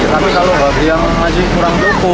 tapi kalau bagi yang masih kurang duku